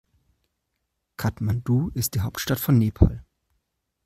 Kathmandu ist die Hauptstadt von Nepal.